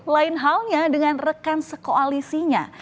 lain halnya dengan rekan sekoalisinya